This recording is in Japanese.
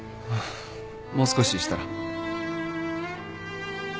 もう少ししたら。